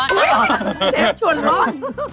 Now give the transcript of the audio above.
เชฟชวนร้อน